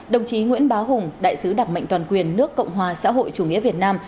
đồng chí nguyễn bá hùng đại sứ đặc mệnh toàn quyền nước cộng hòa xã hội chủ nghĩa việt nam